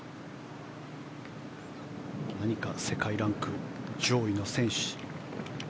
何か世界ランク上位の選手に。